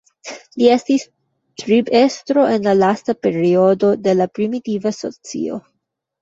Li estis tribestro en la lasta periodo de la primitiva socio.